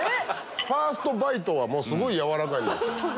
ファーストバイトはすごい軟らかいんです。